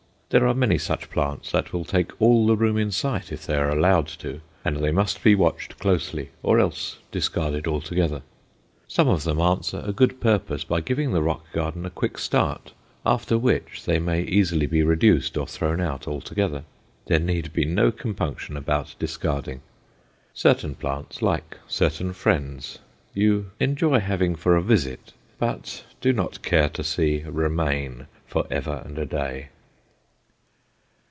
There are many such plants that will take all the room in sight if they are allowed to, and they must be watched closely, or else discarded altogether. Some of them answer a good purpose by giving the rock garden a quick start, after which they may easily be reduced or thrown out altogether. There need be no compunction about discarding. Certain plants, like certain friends, you enjoy having for a visit, but do not care to see remain forever and a day.